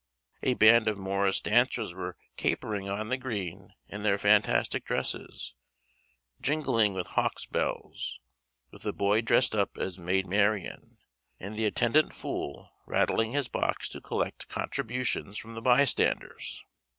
A band of morris dancers were capering on the green in their fantastic dresses, jingling with hawks' bells, with a boy dressed up as Maid Marian, and the attendant fool rattling his box to collect contributions from the bystanders.